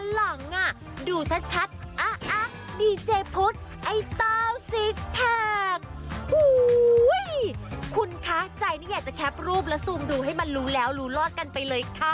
คุณคะใจนี่อยากจะแคปรูปและซูมดูให้มันรู้แล้วรู้รอดกันไปเลยค่ะ